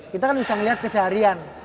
kita kan bisa melihat keseharian